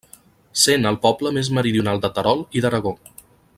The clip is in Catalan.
Sent el poble més meridional de Terol i d'Aragó.